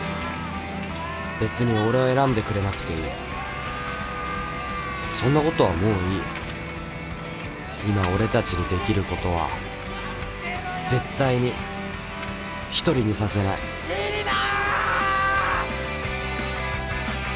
別に俺を選んでくれなくていいそんなことはもういい今俺たちにできることは絶対に独りにさせない李里奈！